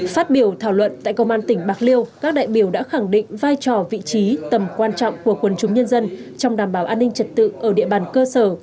phát biểu thảo luận tại công an tỉnh bạc liêu các đại biểu đã khẳng định vai trò vị trí tầm quan trọng của quần chúng nhân dân trong đảm bảo an ninh trật tự ở địa bàn cơ sở